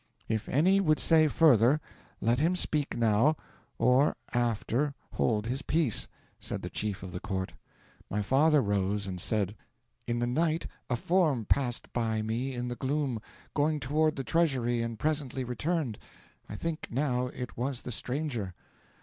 '"If any would say further, let him speak now, or after hold his peace," said the chief of the court. 'My father rose and said: '"In the night a form passed by me in the gloom, going toward the treasury and presently returned. I think, now, it was the stranger."